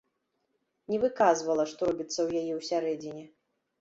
Не выказвала, што робіцца ў яе ўсярэдзіне.